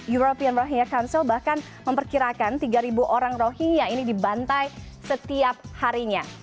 european rohia council bahkan memperkirakan tiga orang rohingya ini dibantai setiap harinya